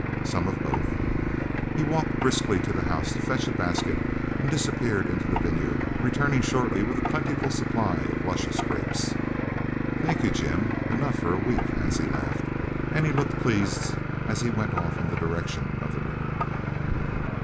"Some of both." He walked briskly to the house to fetch a basket and disappeared into the vineyard, returning shortly with a plentiful supply of luscious grapes. "Thank you, Jim. Enough for a week!" Hansie laughed, and he looked pleased as he went off in the direction of the river.